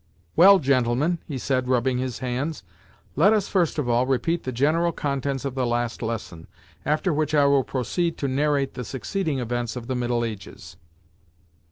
"Well, gentlemen," he said, rubbing his hands, "let us first of all repeat the general contents of the last lesson: after which I will proceed to narrate the succeeding events of the middle ages."